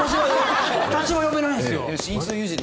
私は呼べないですよ。